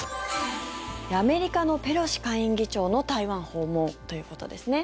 アメリカのペロシ下院議長の台湾訪問ということですね。